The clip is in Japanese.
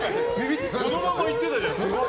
このままいってたじゃん。